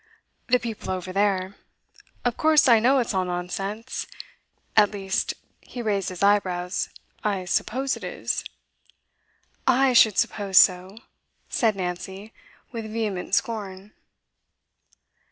'The people over there. Of course I know it's all nonsense. At least' he raised his eyebrows 'I suppose it is.' 'I should suppose so,' said Nancy, with vehement scorn.